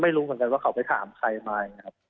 ไม่รู้เหมือนกันว่าเขาไปถามใครมา